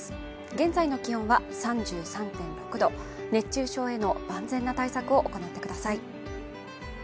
現在の気温は３３．６度熱中症への万全な対策を行ってください